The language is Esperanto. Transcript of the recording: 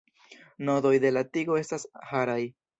Nodoj de la tigo estas haraj.